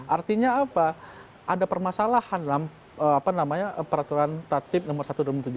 artinya apa ada permasalahan dalam peraturan tatib nomor satu dua ribu tujuh belas